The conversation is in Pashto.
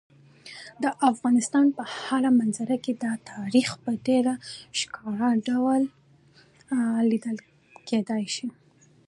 د افغانستان په هره منظره کې تاریخ په ډېر ښکاره ډول لیدل کېدی شي.